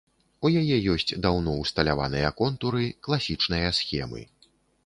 У яе ёсць даўно ўсталяваныя контуры, класічныя схемы.